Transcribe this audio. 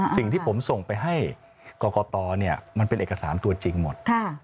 สิ่งที่ผมส่งไปให้กรกตมันเป็นเอกสารตัวจริงหมด